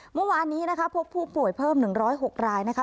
เมื่อวานนี้นะคะพบผู้ป่วยเพิ่มหนึ่งร้อยหกรายนะคะ